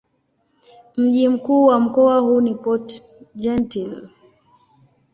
Mji mkuu wa mkoa huu ni Port-Gentil.